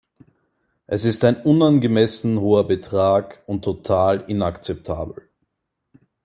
Es ist ein unangemessen hoher Betrag und total inakzeptabel.